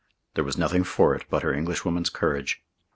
There was nothing for it but her Englishwoman's courage.